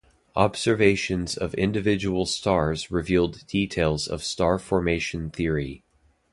Observations of individual stars revealed details of star formation history.